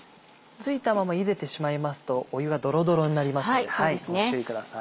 付いたままゆでてしまいますと湯がどろどろになりますのでご注意ください。